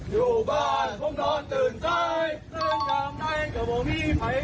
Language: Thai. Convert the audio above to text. อยู่บ้านคงนอนตื่นใจ